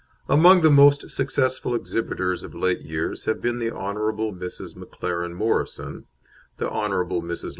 Among the most successful exhibitors of late years have been the Hon. Mrs. McLaren Morrison, the Hon. Mrs.